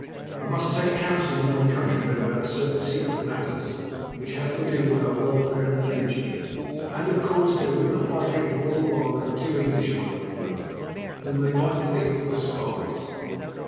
I must take counsel with my countrymen about certain secret matters which have to do with our welfare and future, and, of course they would not like it if all the while there were two Englishmen on the place, whom they might think were spies."